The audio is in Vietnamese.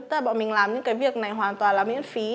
tại bọn mình làm những cái việc này hoàn toàn là miễn phí